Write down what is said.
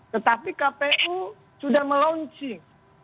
tetapi kpu sudah melaunching